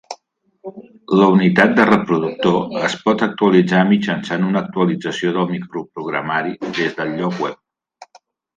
La unitat de reproductor es pot actualitzar mitjançant una actualització del microprogramari des del lloc web.